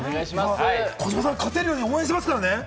児嶋さん、勝てるように応援していますからね。